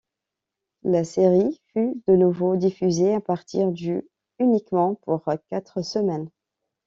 La série fut de nouveau diffusée à partir du uniquement pour quatre semaines.